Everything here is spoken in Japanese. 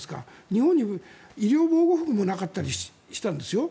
日本に医療防護服もなかったりしていたんですよ。